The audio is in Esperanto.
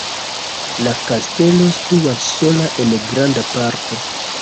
La kastelo situas sola en granda parko.